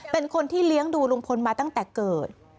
เป็นคนที่เลี้ยงดูลุงพลมาตั้งแต่เกิด